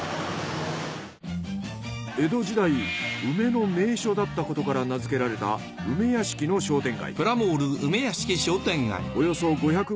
江戸時代梅の名所だったことから名づけられた梅屋敷の商店街。